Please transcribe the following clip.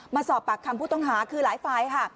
มาสอบปากคำผู้ต้องหาคือหลายฝ่ายค่ะ